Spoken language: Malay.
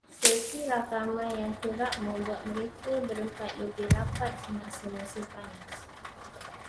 Sesi rakaman yang kerap membawa mereka berempat lebih rapat semasa musim panas